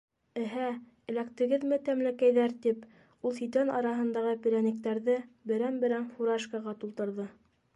- Эһә, эләктегеҙме, тәмлекәйҙәр! - тип ул ситән араһындағы перә-никтәрҙе берәм-берәм фуражкаға тултырҙы.